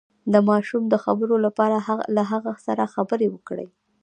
د ماشوم د خبرو لپاره له هغه سره خبرې وکړئ